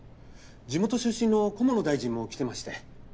地元出身の菰野大臣も来てまして。